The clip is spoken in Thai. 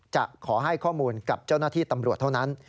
จะขอให้ข้อมูลกับเจ้าหน้าที่ตำรวจเท่านั้น